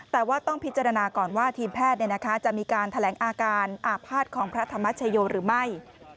แต่ว่าต้องพิจารณาก่อนว่าทีมแพทย์จะมีการแถลงอาการอาภาษณ์ของพระธรรมชโยหรือไม่